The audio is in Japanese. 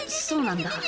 そそうなんだ。